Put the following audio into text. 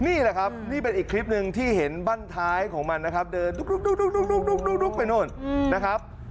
นี่แหละครับนี่เป็นอีกคลิปหนึ่งที่เห็นบ้านท้ายของมันนะครับเดินดุ๊กไปนู่นนะครับ